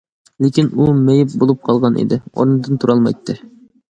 لېكىن ئۇ مېيىپ بولۇپ قالغان ئىدى، ئورنىدىن تۇرالمايتتى.